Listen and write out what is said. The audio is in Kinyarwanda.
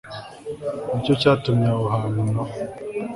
ni cyo cyatumye aho hantu na ho